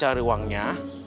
saya usahain cari uangnya